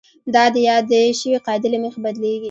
دا د یادې شوې قاعدې له مخې بدلیږي.